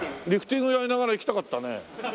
リフティングやりながら行きたかったね。